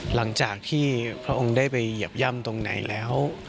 หลังจากที่พระองค์ได้ไปเหยียบย่ำตรงไหนแล้ว